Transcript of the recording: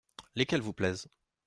Lesquelles vous plaisent ?